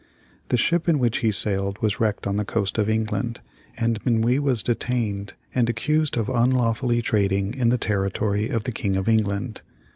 The ship in which he sailed was wrecked on the coast of England, and Minuit was detained and accused of unlawfully trading in the territory of the King of England.